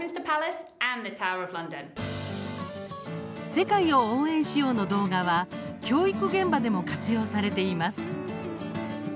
「世界を応援しよう！」の動画は、教育現場でも活用されています。